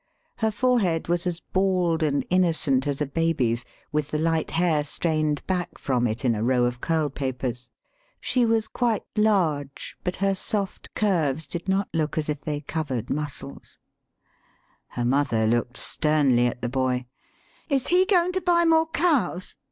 [Her forehead was as bald and innocent as a baby's, with the light hair strained back from it in a row of curl papers. She was quite large, but her soft curves did not look as if they covered muscles.] THE SHORT STORY Her mother looked sternly at the boy. " Is he goin' to buy more cows?"